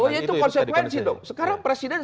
oh ya itu konsekuensi dong sekarang presiden